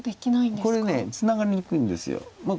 これツナがりにくいんです。